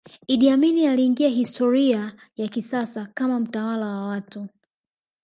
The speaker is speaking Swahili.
Idi Amin aliingia historia ya kisasa kama mtawala wa watu